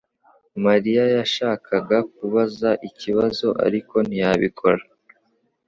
Mariya yashakaga kubaza ikibazo, ariko ntiyabikora.